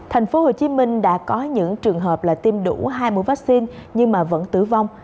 thành phố hồ chí minh đã có những trường hợp là tiêm đủ hai mươi vaccine nhưng mà vẫn tử vong